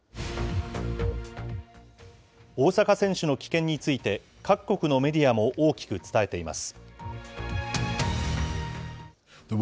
大坂選手の棄権について、各国のメディアも大きく伝えています。